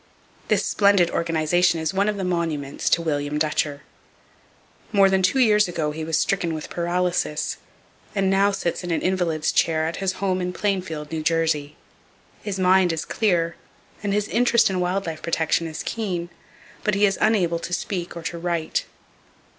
This splendid organization is one of the monuments to William Dutcher. More than two years ago he was stricken with paralysis, and now sits in an invalid's chair at his home in Plainfield, New Jersey. His mind is clear and his interest in wild life protection is keen, but he is unable to speak or to write.